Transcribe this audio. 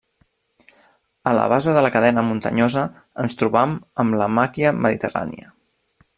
A la base de la cadena muntanyosa ens trobam amb la màquia mediterrània.